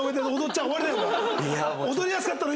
踊りやすかったろ？